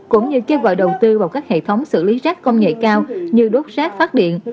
cũng như kêu gọi đầu tư vào các hệ thống xử lý rác công nghệ cao như đốt rác phát điện